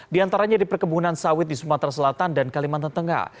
di antaranya di perkebunan sawit di sumatera selatan dan kalimantan tengah